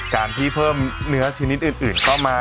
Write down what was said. การที่เพิ่มเนื้อชนิดอื่นเข้ามา